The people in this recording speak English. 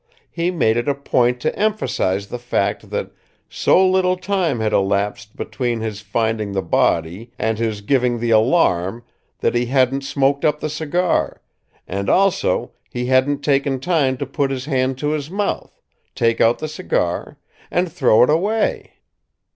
He made it a point to emphasize the fact that so little time had elapsed between his finding the body and his giving the alarm that he hadn't smoked up the cigar, and also he hadn't taken time to put his hand to his mouth, take out the cigar and throw it away.